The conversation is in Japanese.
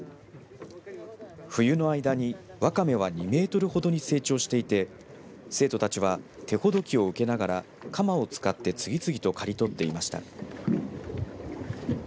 冬の間にわかめは２メートルほどに成長していて生徒たちは手ほどきを受けながら鎌を使って次々と刈り取っていました。